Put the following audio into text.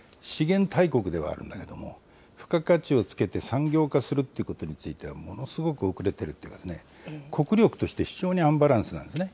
資源大国ではあるんだけども、付加価値をつけて産業化するということについてはものすごく遅れているっていうかですね、国力として非常にアンバランスなんですね。